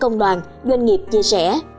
công đoàn doanh nghiệp chia sẻ